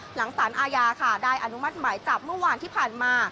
หลังสารอาญาค่ะได้อนุมัติหมายจับเมื่อวานที่ผ่านมา